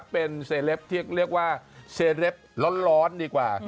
เป็นเซเลปที่เรียกว่าเซเลปร้อนดีกว่า